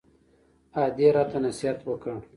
ادې راته نصيحت وکړ.